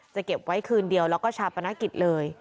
เก็บไว้คืนเดียวแล้วก็ชาปนกิจเลย